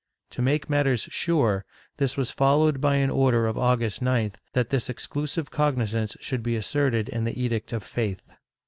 To make matters sm'e, this was followed by an order of August 9th, that this exclusive cognizance should be asserted in the Edict of Faith.